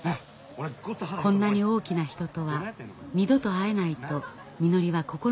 こんなに大きな人とは二度と会えないとみのりは心の底から思っていました。